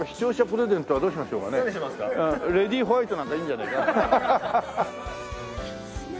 レディーホワイトなんかいいんじゃねえか？